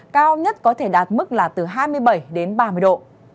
cao nhất có thể đạt mức là từ hai mươi bảy đến ba mươi độ